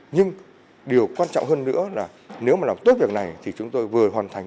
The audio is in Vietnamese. nhưng điều quan trọng hơn nữa là nếu mà làm tốt việc này thì chúng tôi vừa hoàn thành